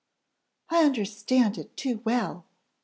"I understand it too well!"